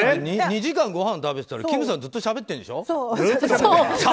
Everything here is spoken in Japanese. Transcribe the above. ２時間、ごはん食べてたら金さんがずっとしゃべってるんでしょ。